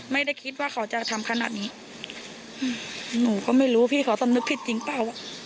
ไม่ได้คิดว่าเขาจะทำขนาดนี้หนูก็ไม่รู้พี่เขาสำนึกผิดจริงเปล่าอ่ะ